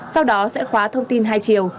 sau đó sẽ khóa thông tin hai chiều